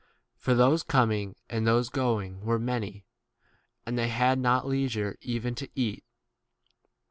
For those coming and those going were many, and they had not lei 32 sure even to eat.